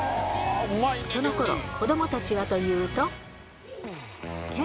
そのころ、子どもたちはというと。